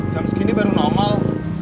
jam segini baru normal